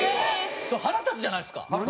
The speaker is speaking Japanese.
腹立つじゃないですか。